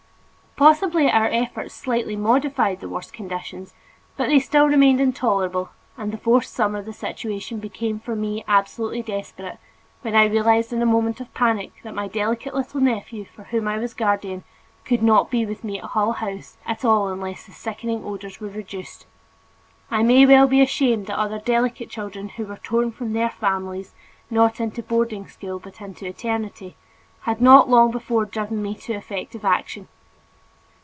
Possibly our efforts slightly modified the worst conditions, but they still remained intolerable, and the fourth summer the situation became for me absolutely desperate when I realized in a moment of panic that my delicate little nephew for whom I was guardian, could not be with me at Hull House at all unless the sickening odors were reduced. I may well be ashamed that other delicate children who were torn from their families, not into boarding school but into eternity, had not long before driven me to effective action.